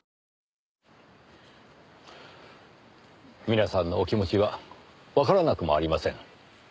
皆さんのお気持ちはわからなくもありません。